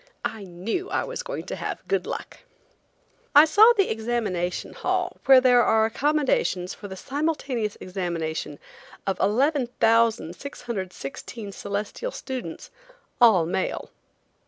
I knew I was going to have good luck. I saw the Examination Hall, where there are accommodations for the simultaneous examination of 11,616 celestial students, all male.